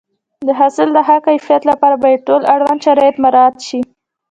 د حاصل د ښه کیفیت لپاره باید ټول اړوند شرایط مراعات شي.